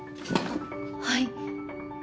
はい。